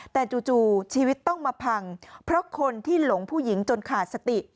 แต่จู่ชีวิตต้องมาพังเพราะคนที่หลงผู้หญิงจนขาดสติ